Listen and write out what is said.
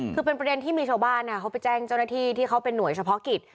คือเป็นประเด็นที่มีชาวบ้านเขาไปแจ้งเจ้าหน้าที่ที่เขาเป็นห่วยเฉพาะกิจ